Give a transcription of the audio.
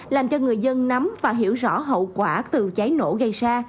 làm cho người dân nắm và hiểu rõ hậu quả từ cháy nổ gây ra